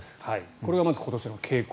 これがまず今年の傾向。